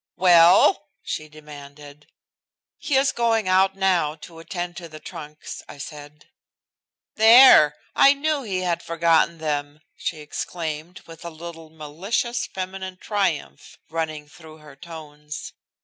"Well!" she demanded. "He is going out now to attend to the trunks," I said. "There! I knew he had forgotten them," she exclaimed, with a little malicious feminine triumph running through her tones.